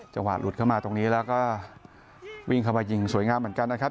หลุดเข้ามาตรงนี้แล้วก็วิ่งเข้ามายิงสวยงามเหมือนกันนะครับ